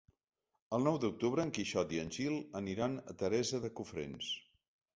El nou d'octubre en Quixot i en Gil aniran a Teresa de Cofrents.